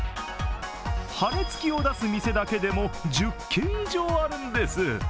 羽根付きを出す店だけでも１０軒以上あるんです。